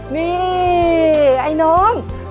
นี่ไอ้น้อง